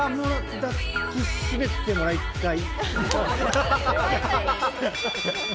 抱き締めてもらいたい。